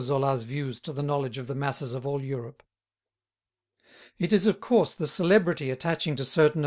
Zola's views to the knowledge of the masses of all Europe. It is, of course, the celebrity attaching to certain of M.